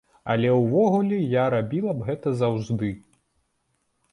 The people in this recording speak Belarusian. Але ўвогуле я рабіла б гэта заўжды!